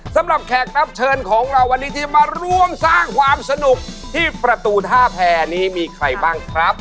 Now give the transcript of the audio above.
แขกรับเชิญของเราวันนี้ที่มาร่วมสร้างความสนุกที่ประตูท่าแพรนี้มีใครบ้างครับ